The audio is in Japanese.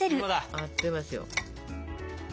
あっという間っすよ。